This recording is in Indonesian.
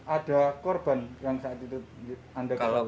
ada korban yang saat itu anda kalau